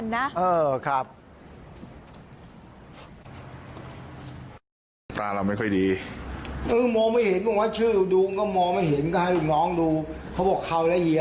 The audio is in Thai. ตอนลูกค้าออกจากร้านไปมองเลขศูนย์สุดท้ายเนี่ยตอนลูกค้าออกจากร้านไป